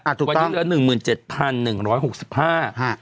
ถูกวันนี้เหลือหนึ่งหมื่นเจ็ดพันหนึ่งร้อยหกสิบห้าฮะ